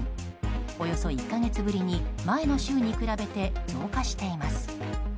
およそ１か月ぶりに前の週に比べて増加しています。